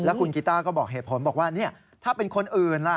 คุณกีต้าก็บอกเหตุผลบอกว่าถ้าเป็นคนอื่นล่ะ